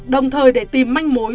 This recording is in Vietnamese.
đồng thời để tìm manh mối